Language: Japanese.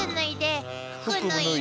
服脱いで。